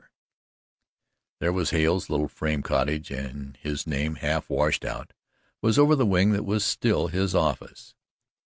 There was Hale's little frame cottage and his name, half washed out, was over the wing that was still his office.